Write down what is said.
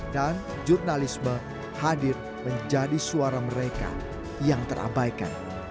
dan jurnalisme hadir menjadi suara mereka yang terabaikan